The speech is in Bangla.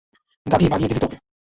গাধী, ভাগিয়ে দিলি তো ওকে!